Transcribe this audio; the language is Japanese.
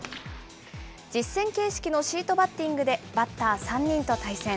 実戦形式のシートバッティングでバッター３人と対戦。